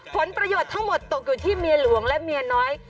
ผลประโยชน์ทั้งหมดตกอยู่ที่เมียหลวงและเมียน้อย